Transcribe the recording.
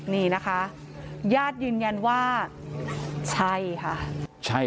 นี่นะคะญาติยืนยันว่าใช่ค่ะใช่